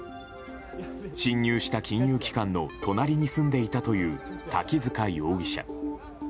侵入した金融機関の隣に住んでいたという滝塚容疑者。